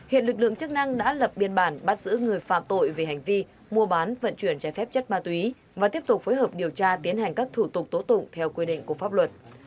hiện lực lượng chức năng đã lập biên bản bắt giữ người phạm tội về hành vi mua bán vận chuyển trái phép chất ma túy và tiếp tục phối hợp điều tra tiến hành các thủ tục tố tụng theo quy định của pháp luật